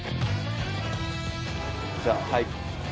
じゃあはい。